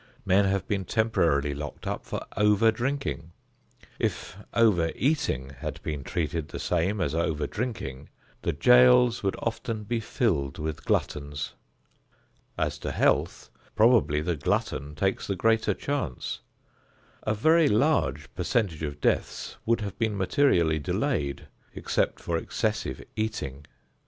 Men have been temporarily locked up for over drinking. If over eating had been treated the same as over drinking, the jails would often be filled with gluttons. As to health, probably the glutton takes the greater chance. A very large percentage of deaths would have been materially delayed except for excessive eating.